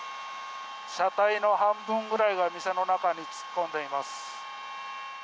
車体の半分ぐらいが店の中に突っ込んでいます。